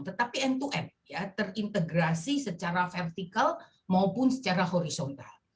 tetapi end to end ya terintegrasi secara vertikal maupun secara horizontal